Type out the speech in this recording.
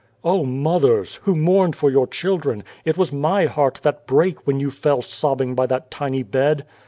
"O mothers, who mourned for your chil dren, it was My heart that brake when you fell sobbing by that tiny bed